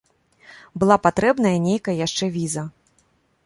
Была патрэбная нейкая яшчэ віза.